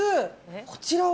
こちらは？